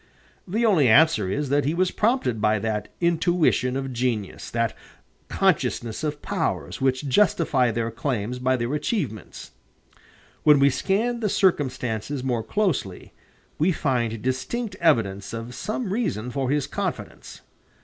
The only answer is that he was prompted by that intuition of genius, that consciousness of powers which justify their claims by their achievements. When we scan the circumstances more closely, we find distinct evidence of some reason for his confidence.